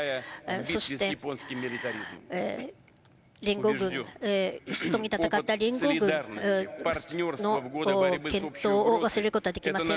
そして連合軍、一緒に戦った連合軍の健闘を忘れることはできません。